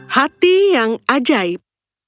hati yang ajaib